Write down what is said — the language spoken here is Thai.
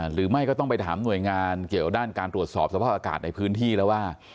หรือไม่ก็ต้องไปถามหน่วยงานเกี่ยวด้านการตรวจสอบสภาพอากาศในพื้นที่แล้วว่า